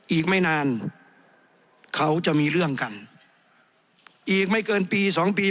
อีกไม่นานเขาจะมีเรื่องกันอีกไม่เกินปีสองปี